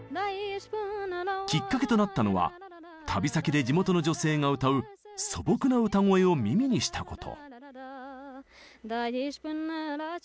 きっかけとなったのは旅先で地元の女性が歌う素朴な歌声を耳にしたこと。